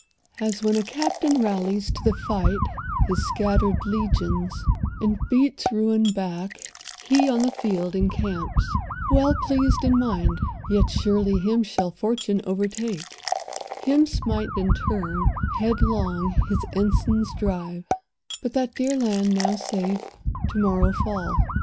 As when a captain rallies to the fight His scattered legions, and beats ruin back, He, on the field, encamps, well pleased in mind. Yet surely him shall fortune overtake, Him smite in turn, headlong his ensigns drive; And that dear land, now safe, to morrow fall.